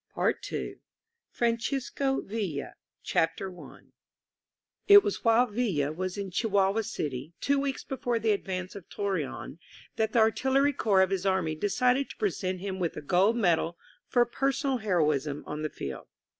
PART TWO FRANCISCO VILLA CHAPTER I VILLA ACCEPTS A MEDAL IT was while Villa was in Chihuahua City, two weeks before the advance on Torreon, that the artillery corps of his army decided to present him with a gold medal for personal heroism on the field.